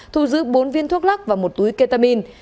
thu giữ bốn viên thuốc lắc và một túi ketamin